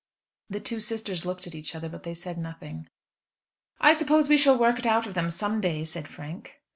The two sisters looked at each other, but they said nothing. "I suppose we shall work it out of them some day," said Frank.